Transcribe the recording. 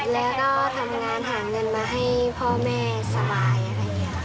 แล้วก็ทำงานหาเงินมาให้พ่อแม่สบายอะไรอย่างนี้ค่ะ